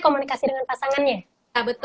komunikasi dengan pasangannya